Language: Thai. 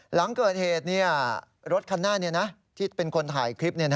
หลังเกิดเหตุรถคันหน้าที่เป็นคนถ่ายคลิป